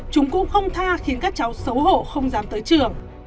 chúng cũng không tha khiến các cháu xấu hộ không dám tới trường